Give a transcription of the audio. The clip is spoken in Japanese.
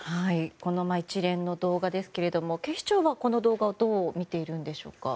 この一連の動画ですが警視庁は、この動画をどう見ているんでしょうか。